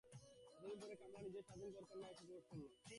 এতদিন পরে কমলা নিজের স্বাধীন ঘরকন্নার মধ্যে প্রবেশ করিল।